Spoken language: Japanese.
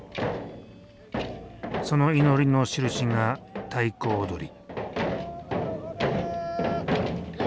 その祈りのしるしが太鼓踊り。